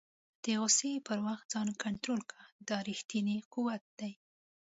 د غوسې پر وخت ځان کنټرول کړه، دا ریښتنی قوت دی.